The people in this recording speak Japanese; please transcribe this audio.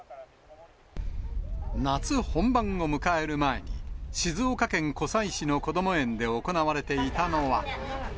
夏本番を迎える前に、静岡県湖西市のこども園で行われていたのは。